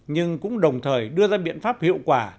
nhưng cũng đồng thời đưa ra biện pháp hiệu quả